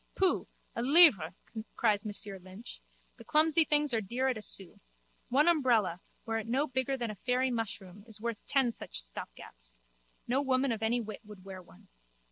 Pooh! A livre! cries Monsieur Lynch. The clumsy things are dear at a sou. One umbrella, were it no bigger than a fairy mushroom, is worth ten such stopgaps. No woman of any wit would wear one.